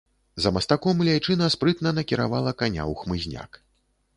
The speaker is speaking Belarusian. За мастком ляйчына спрытна накіравала каня ў хмызняк.